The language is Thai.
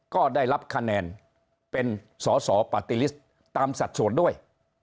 ก็ได้รับคะแนนเป็นสอสปติฤษฐ์ตามสัดส่วนด้วย